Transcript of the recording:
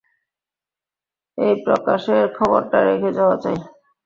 এই প্রকাশের খবরটা রেখে যাওয়া চাই।